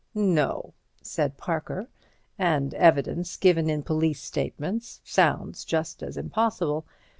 "No," said Parker, "and evidence given in police statements sounds just as impossible.